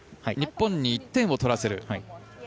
日本に１点を取らせる。